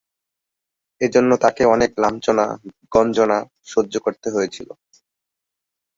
এজন্য তাঁকে অনেক লাঞ্ছনা-গঞ্জনাও সহ্য করতে হয়েছিল।